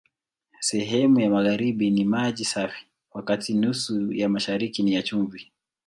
Sehemu ya magharibi ni maji safi, wakati nusu ya mashariki ni ya chumvi.